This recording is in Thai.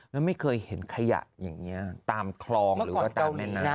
แล้วไม่เคยเห็นขยะอย่างนี้ตามคลองหรือว่าตามแม่น้ำ